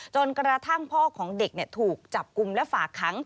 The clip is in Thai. จนกระทั่งพ่อของเด็กถูกจับกลุ่มและฝากขัง